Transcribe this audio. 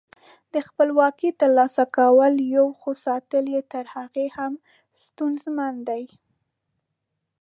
د خپلواکۍ تر لاسه کول یو، خو ساتل یې تر هغه هم ستونزمن دي.